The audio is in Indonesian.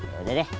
ya udah deh